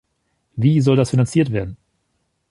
Wie soll das finanziert werden?